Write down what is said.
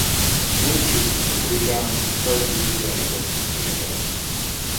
Svoji přezdívku Hurikán získal kvůli své rychlosti při hře.